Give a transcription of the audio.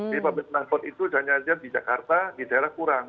jadi public transport itu hanya di jakarta di daerah kurang